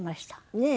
ねえ。